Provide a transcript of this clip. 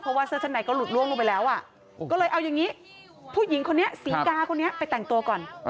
เพราะว่าเสื้อชั้นในก็หลุดล่วงลงไปแล้วก็เลยเอาอย่างนี้ผู้หญิงคนนี้ศรีกาคนนี้ไปแต่งตัวก่อน